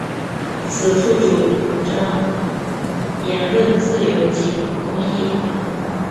此赋主张言论自由及公义。